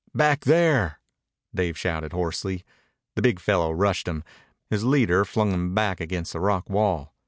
"Back there!" Dave shouted hoarsely. The big fellow rushed him. His leader flung him back against the rock wall.